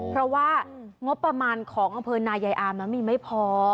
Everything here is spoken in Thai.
เพราะว่างบประมาณของอำเภอนายายอามมีไม่พอ